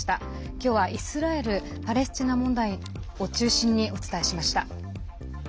今日はイスラエルパレスチナ問題を中心にお伝えしました。